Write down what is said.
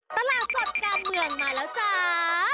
ตลาดสดการเมืองมาแล้วจ้า